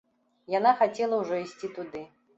Яна хацела ўжо ісці туды.